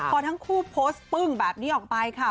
พอทั้งคู่โพสต์ปึ้งแบบนี้ออกไปค่ะ